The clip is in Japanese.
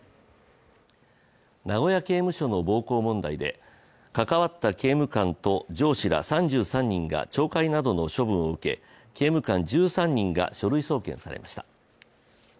名古屋刑務所の暴行問題で関わった刑務官と上司ら３３人が懲戒などの処分を受け刑務官１３人が書類送検されました。